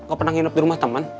kau pernah nginep di rumah teman